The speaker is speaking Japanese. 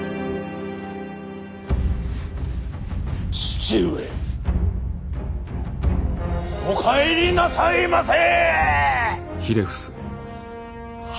父上お帰りなさいませ。